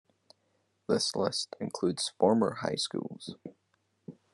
This list includes former high schools.